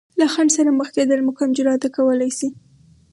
له خنډ سره مخ کېدل مو کم جراته کولی شي.